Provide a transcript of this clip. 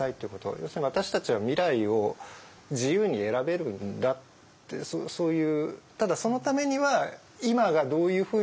要するに私たちは未来を自由に選べるんだってそういう。